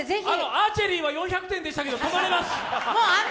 アーチェリーは４００点でしたけど泊まれます。